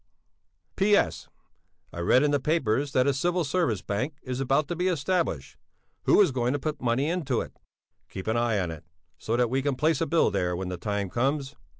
B. P.S. I read in the papers that a Civil Service Bank is about to be established. Who is going to put money into it? Keep an eye on it, so that we can place a bill there when the time comes.